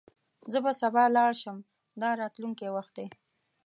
زه به سبا لاړ شم – دا راتلونکی وخت دی.